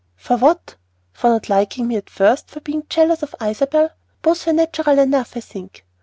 "For what, for not liking me at first; for being jealous of Isabel? Both were natural enough, I think.